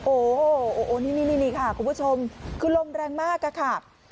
โอ้โหนี่ค่ะคุณผู้ชมคือลมแรงมากอะค่ะ